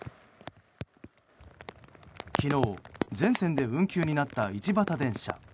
昨日、全線で運休になった一畑電車。